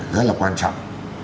rất là quan trọng